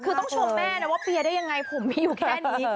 คือต้องชมแม่นะว่าเปียร์ได้ยังไงผมมีอยู่แค่นี้